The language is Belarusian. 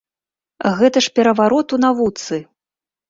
Гэта ж пераварот у навуцы!